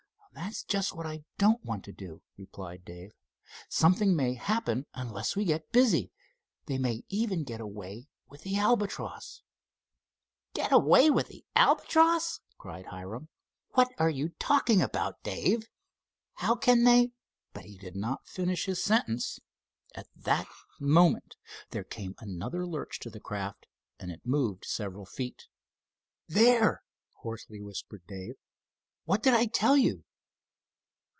"That's just what I don't want to do," replied Dave. "Something may happen unless we get busy. They may even get away with the Albatross." "Get away with the Albatross?" cried Hiram. "What are you talking about, Dave? How can they——?" But he did not finish his sentence. At that moment there came another lurch to the craft, and it moved several feet. "There!" hoarsely whispered Dave. "What did I tell you?"